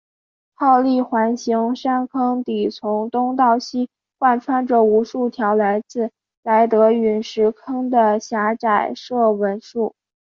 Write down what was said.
泡利环形山坑底从东到西横贯着无数条来自莱德陨石坑的狭窄射纹束。